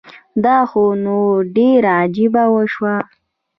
دا خو نو ډيره عجیبه وشوه